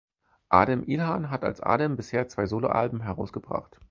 Adem Ilhan hat als Adem bisher zwei Soloalben herausgebracht.